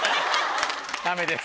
ダメです。